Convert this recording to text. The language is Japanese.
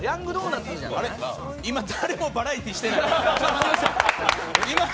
あれっ、今誰もバラエティーしてない？